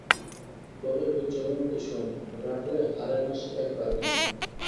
-বলে ওই যমের মতো সোয়ামী, রাগলে হাড়ে মাসে এক রাখে না।